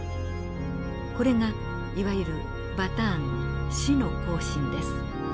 これがいわゆるバターン死の行進です。